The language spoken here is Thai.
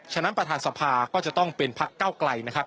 ฉะนั้นประธานสภาก็จะต้องเป็นพักเก้าไกลนะครับ